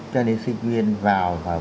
cho nên sinh viên vào và bỏ